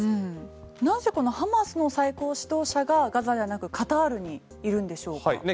なぜこのハマスの最高指導者がガザではなくカタールにいるんでしょうかね。